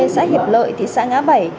xã hiệp lợi thị xã ngã bảy